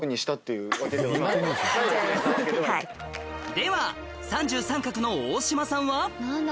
では３３画の大島さんは？